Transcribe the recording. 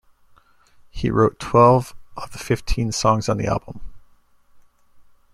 He wrote twelve of the fifteen songs on the album.